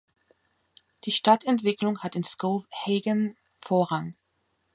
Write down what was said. Die Stadtentwicklung hat in Skowhegan Vorrang.